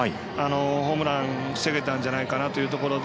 ホームラン防げたんじゃないかなというところで。